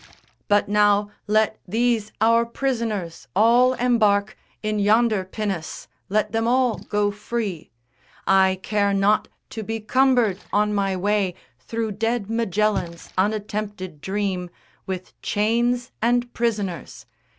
But now let these our prisoners all embark In yonder pinnace; let them all go free. I care not to be cumbered on my way Through dead Magellan's unattempted dream With chains and prisoners.